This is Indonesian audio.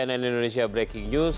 cnn indonesia breaking news